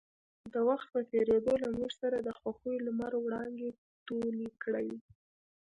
د وخـت پـه تېـرېدو لـه مـوږ څـخـه د خـوښـيو لمـر وړانـګې تـولې کـړې.